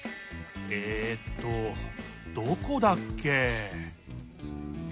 えっとどこだっけ？